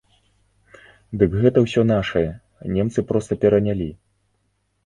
Дык гэта ўсё нашае, немцы проста перанялі!